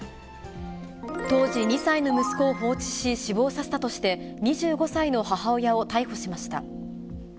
当時２歳の息子を放置し、死亡させたとして、２５歳の母親を逮捕しました。